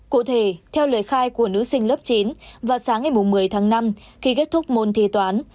cụ thể theo lời khai của nữ sinh lớp chín vào sáng ngày một mươi tháng năm khi kết thúc môn thi toán